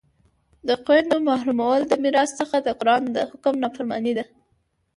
د خویندو محرومول د میراث څخه د قرآن د حکم نافرماني ده